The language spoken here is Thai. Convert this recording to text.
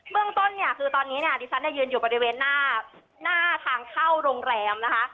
เรื่องต้นเนี่ยคือตอนนี้เนี่ยดิฉันยืนอยู่บริเวณหน้าทางเข้าโรงแรมนะคะ